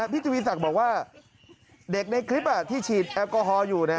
ทวีศักดิ์บอกว่าเด็กในคลิปที่ฉีดแอลกอฮอล์อยู่